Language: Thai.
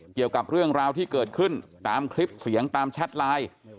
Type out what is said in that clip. เกี่ยวกับเรื่องราวที่เกิดขึ้นตามคลิปเสียงตามแชทไลน์